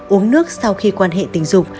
uống nước sau khi quan hệ tình dục